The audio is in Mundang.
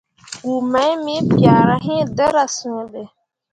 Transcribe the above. Pku mai me piahra iŋ dǝra sǝ̃ǝ̃be.